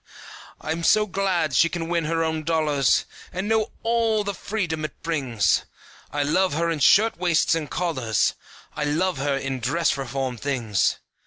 I'm so glad she can win her own dollars And know all the freedom it brings. I love her in shirt waists and collars, I love her in dress reform things.